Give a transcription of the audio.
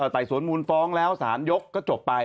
ไต่สวนมูลฟ้องแล้วสารยกก็จบไป